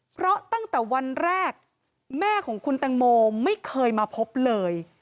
เพราะตั้งแต่วันแรกแม่ของคุณแตงโมไม่เคยมาพบเลย